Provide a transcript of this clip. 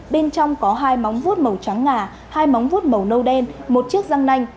bên trong có hai móng vuốt màu trắng ngà hai móng vuốt màu nâu đen một chiếc răng nanh